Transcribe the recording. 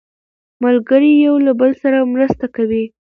ملګري یو بل سره مرسته کوي